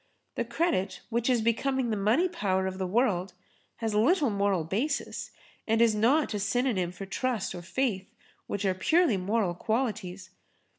The credit which is becoming the money power of the world[Pg 26] has little moral basis and is not a synonym for Trust or Faith, which are purely moral qualities.